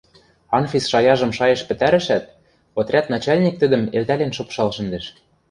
Анфис шаяжым шайышт пӹтӓрӹшӓт, отряд начальник тӹдӹм элтӓлен шыпшал шӹндӹш.